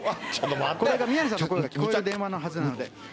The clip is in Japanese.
これが宮根さんの声が聞こえる電話なんで。